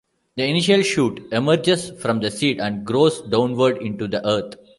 The initial shoot emerges from the seed and grows downward into the earth.